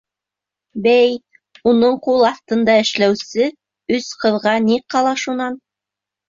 Бәй, уның ҡул аҫтында эшләүсе өс ҡыҙға ни ҡала шунан?